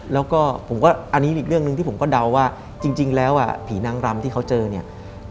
แล้วก็ผมก็อันนี้อีกเรื่องหนึ่งที่ผมก็เดาว่าจริงแล้วอ่ะผีนางรำที่เขาเจอเนี่ย